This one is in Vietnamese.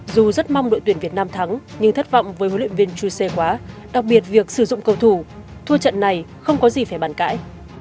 dù rất mong đội tuyển việt nam thắng nhưng thất vọng với huấn luyện viên chuse khóa đặc biệt việc sử dụng cầu thủ thua trận này không có gì phải bàn cãi